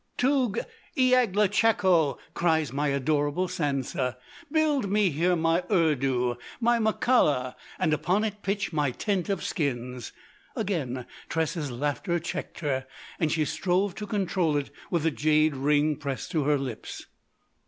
"'Toug iaglachakho!' cries my adorable Sansa! 'Build me here my Urdu!—my Mocalla! And upon it pitch my tent of skins!" Again Tressa's laughter checked her, and she strove to control it with the jade ring pressed to her lips.